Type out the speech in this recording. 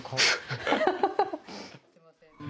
ハハハハハ。